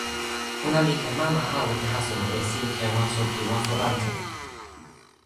ona li ken mama awen taso e sike waso pi waso ante.